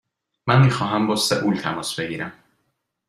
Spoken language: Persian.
من می خواهم با سئول تماس بگیرم.